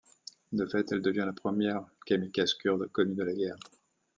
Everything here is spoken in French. De fait, elle devient la première kamikaze kurde connue de la guerre.